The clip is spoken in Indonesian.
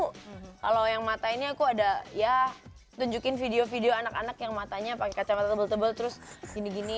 kalau yang mata ini aku ada ya tunjukin video video anak anak yang matanya pakai kacamata tebel tebel terus gini gini